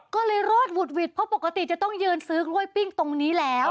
ก็เลยรอดหวุดหวิดเพราะปกติจะต้องยืนซื้อกล้วยปิ้งตรงนี้แล้ว